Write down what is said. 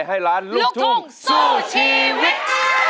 ให้ล้านลูกทุ่งสู้ชีวิต